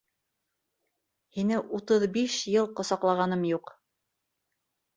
Һине утыҙ биш йыл ҡосаҡлағаным юҡ!